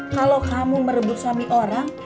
kalau kamu merebut suami orang